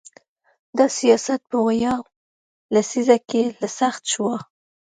دا سیاست په ویاو لسیزه کې لا سخت شو.